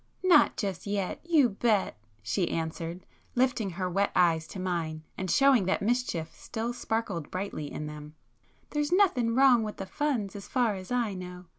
"Not just yet, you bet!" she answered, lifting her wet eyes to mine and showing that mischief still sparkled brightly in them,—"There's nothing wrong with the funds as far as I know.